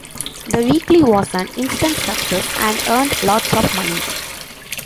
The weekly was an instant success and earned lots of money.